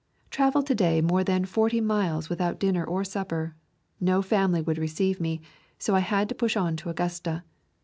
Traveled to day more than forty miles with out dinner or supper. No family would re ceive me, so I had to push on to Augusta.